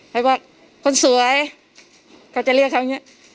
เขาบอกคนสวยเขาจะเรียกเขาอย่างนี้